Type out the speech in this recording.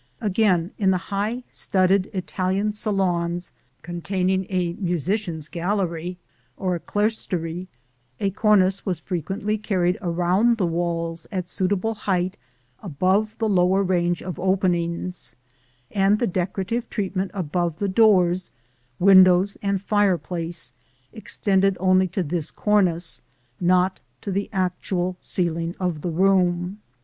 " Again, in the high studded Italian saloons containing a musician's gallery, or a clerestory, a cornice was frequently carried around the walls at suitable height above the lower range of openings, and the decorative treatment above the doors, windows and fireplace extended only to this cornice, not to the actual ceiling of the room.